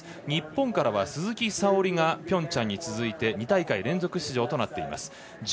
日本からは鈴木沙織がピョンチャンに続いて２大会連続出場となっています。